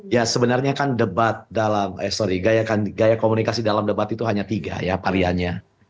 ya sebenarnya kan gaya komunikasi dalam debat itu hanya tiga variannya